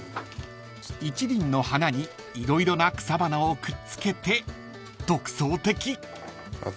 ［一輪の花に色々な草花をくっつけて独創的］